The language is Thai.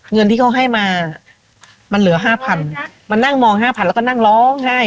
เงินที่เขาให้มามันเหลือห้าพันมานั่งมองห้าพันแล้วก็นั่งร้องไห้